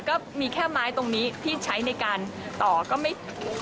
ก็มีแค่ไม้ตรงนี้ที่ใช้ในการต่อก็ไม่